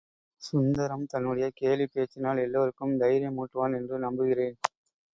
சுந்தரம் தன்னுடைய கேலிப் பேச்சினால் எல்லாருக்கும் தைரியமூட்டுவான் என்று நம்புகிறேன்.